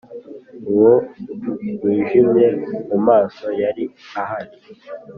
uwo wijimye mumaso yari ahari